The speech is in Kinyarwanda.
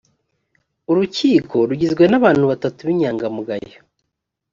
urukiko rugizwe n’abantu batatu b’inyangamugayo